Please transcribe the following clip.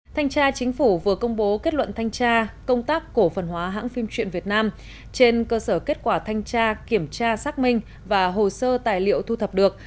thanh tra chính phủ vừa công bố kết luận thanh tra công tác cổ phần hóa hãng phim truyện việt nam trên cơ sở kết quả thanh tra kiểm tra xác minh và hồ sơ tài liệu thu thập được